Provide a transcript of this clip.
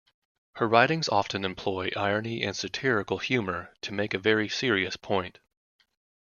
Her writings often employ irony and satirical humor to make a very serious point.